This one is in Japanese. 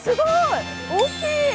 大きい！